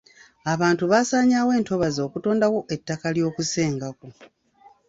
Abantu basaanyawo entobazi okutondawo ettaka ly'okusenga ko.